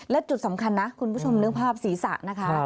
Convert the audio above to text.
และจุดสำคัญนะคุณผู้ชมนึกภาพศีรษะนะคะ